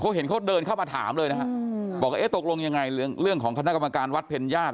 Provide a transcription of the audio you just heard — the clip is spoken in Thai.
เขาเห็นเขาเดินเข้ามาถามเลยนะฮะบอกเอ๊ะตกลงยังไงเรื่องของคณะกรรมการวัดเพ็ญญาติ